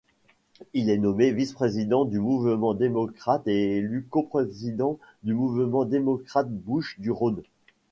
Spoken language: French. Il est nommé vice-président du Mouvement démocrate et élu coprésident du Mouvement démocrate Bouches-du-Rhône.